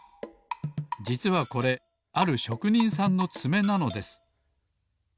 じつはこれあるしょくにんさんのつめなのです。